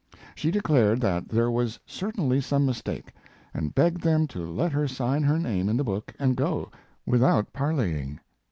She declared that there was certainly some mistake, and begged them to let her sign her name in the book and go, without parleying.